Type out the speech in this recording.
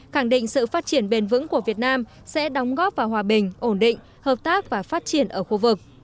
khẳng định sự phát triển bền vững của việt nam sẽ đóng góp vào hòa bình ổn định hợp tác và phát triển ở khu vực